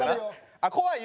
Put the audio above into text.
あっ怖い夢？